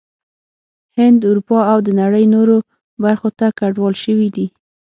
هند، اروپا او د نړۍ نورو برخو ته کډوال شوي دي